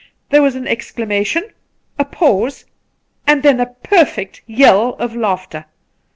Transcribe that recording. There was an exclamation, a pause, and then a perfect yell of laughter.